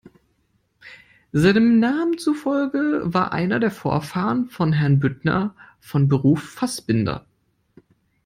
Seinem Namen zufolge war einer der Vorfahren von Herrn Büttner von Beruf Fassbinder.